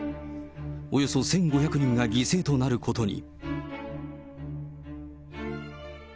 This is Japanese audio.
およそ１５００人が犠牲となることに。